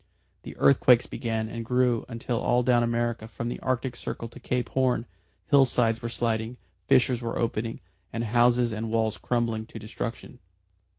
The earthquakes began and grew until all down America from the Arctic Circle to Cape Horn, hillsides were sliding, fissures were opening, and houses and walls crumbling to destruction.